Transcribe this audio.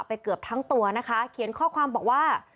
เกือบทั้งตัวนะคะเขียนข้อความบอกว่า